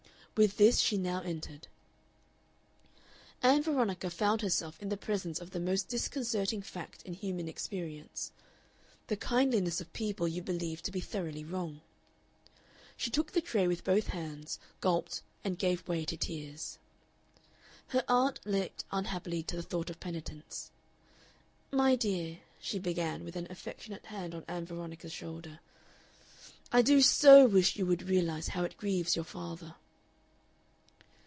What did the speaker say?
With this she now entered. Ann Veronica found herself in the presence of the most disconcerting fact in human experience, the kindliness of people you believe to be thoroughly wrong. She took the tray with both hands, gulped, and gave way to tears. Her aunt leaped unhappily to the thought of penitence. "My dear," she began, with an affectionate hand on Ann Veronica's shoulder, "I do SO wish you would realize how it grieves your father."